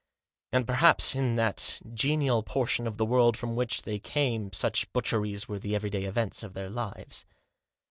And perhaps, in that genial portion of the world from which they came, such butcheries were the everyday events of their lives.